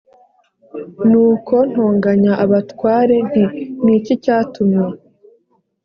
nuko ntonganya abatware nti ni iki cyatumye